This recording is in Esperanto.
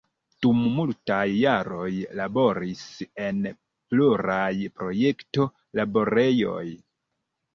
Dum multaj jaroj laboris en pluraj projekto-laborejoj.